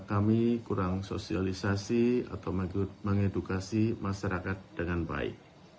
kami kurang sosialisasi atau mengedukasi masyarakat dengan baik